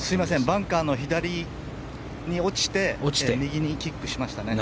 バンカーの左に落ちて右にキックしましたね。